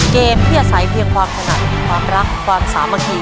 เกมที่อาศัยเพียงความถนัดความรักความสามัคคี